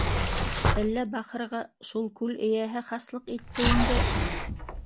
Әллә бахырға шул күл эйәһе хаслыҡ итте инде.